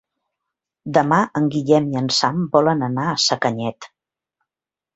Demà en Guillem i en Sam volen anar a Sacanyet.